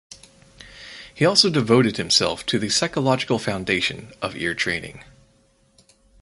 He also devoted himself to the psychological foundation of ear training.